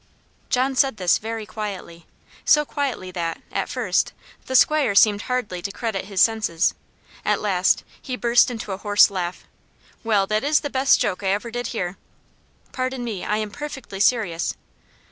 John said this very quietly so quietly that, at first, the 'squire seemed hardly to credit his senses. At last, he burst into a hoarse laugh. "Well, that is the best joke I ever did hear." "Pardon me; I am perfectly serious."